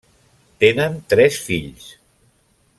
Tenen tres fills.